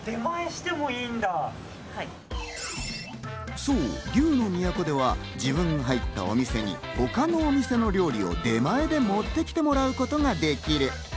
そう、龍乃都では自分が入ったお店に他のお店の料理を出前で持ってきてもらうことができる。